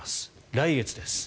来月です。